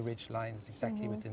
di sekeliling kawasan